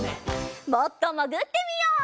もっともぐってみよう。